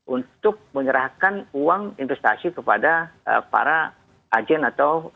untuk menyerahkan uang investasi kepada para agen atau